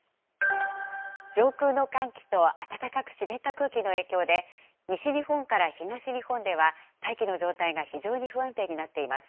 上空の寒気と暖かく湿った空気の影響で、西日本から東日本では、大気の状態が非常に不安定になっています。